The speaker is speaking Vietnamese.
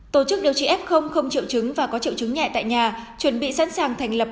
tổ chức điều trị f không triệu chứng và có triệu chứng nhẹ tại nhà chuẩn bị sẵn sàng thành lập